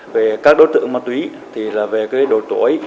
về các đối tượng ma túy thì là về cái độ tuổi